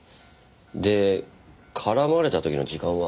で絡まれた時の時間は？